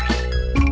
eu duck tambang om